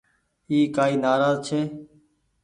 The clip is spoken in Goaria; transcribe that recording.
اي ڪآئي نآراز ڇي۔